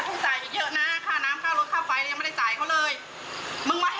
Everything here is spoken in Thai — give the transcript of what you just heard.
มันไม่ได้เกี่ยวก็เลือกซื้องเกงตัวเดียวอะไรนะพูดอะไรอ่ะพูดให้มันตรงหน่อย